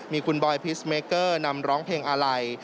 มีคุณบอยพิสเมเกอร์นำร้องเพลงอาลัย